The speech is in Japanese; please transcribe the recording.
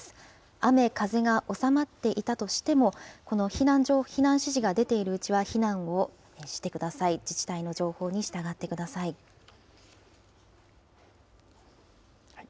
雨風が収まっていたとしても、この避難指示が出ているうちは避難をしてください。